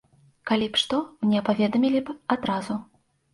Калі б што, мне паведамілі б адразу.